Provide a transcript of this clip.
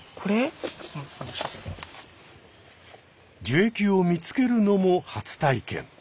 樹液を見つけるのも初体験。